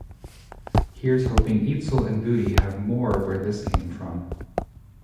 Here's hoping Eitzel and Vudi have more where this came from.